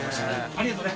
ありがとね